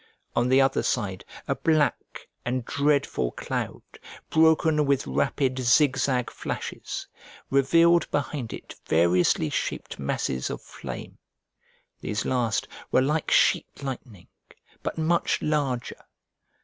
On the other side, a black and dreadful cloud, broken with rapid, zigzag flashes, revealed behind it variously shaped masses of flame: these last were like sheet lightning, but much larger.